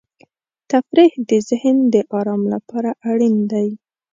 تفریح د ذهن د آرام لپاره اړین دی.